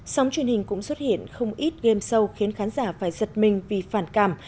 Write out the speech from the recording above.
sóng truyền hình cũng xuất hiện không ít game show khiến khán giả phải giật mình vì phản cảm